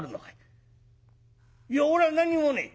「いやおらは何もねえ。